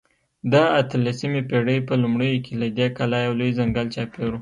د اتلسمې پېړۍ په لومړیو کې له دې کلا یو لوی ځنګل چاپېر و.